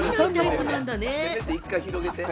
せめて１回広げて。